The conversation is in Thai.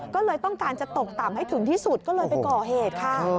ก็เลยต้องการจะตกต่ำให้ถึงที่สุดก็เลยไปก่อเหตุค่ะ